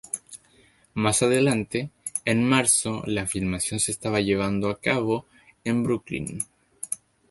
Más adelante, en marzo, la filmación se estaba llevando a cabo en Brooklyn.